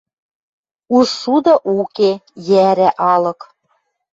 Уж шуды уке, йӓрӓ алык